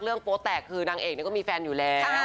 เรื่องโป๊ะแตกคือนางเอกเนี่ยก็มีแฟนอยู่แล้ว